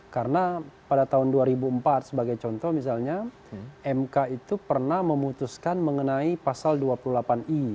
karena pada tahun dua ribu empat sebagai contoh misalnya mk itu pernah memutuskan mengenai pasal dua puluh delapan i